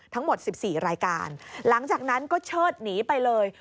ทั้งหมด๑๔รายการหลังจากนั้นก็เชิดหนีไปเลย